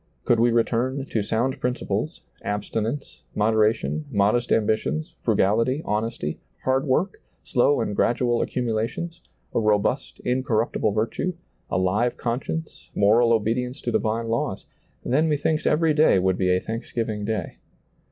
Could we return to sound principles, abstinence, moderation, modest ambitions, fru gality, honesty, hard work, slow and gradual accumulations, a robust, incorruptible virtue, a live conscience, moral obedience to divine laws ; then methinks every day would be a thanks giving day.